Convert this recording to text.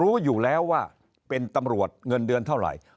รู้อยู่แล้วว่าเป็นตำรวจเงินเดือนเท่าไหร่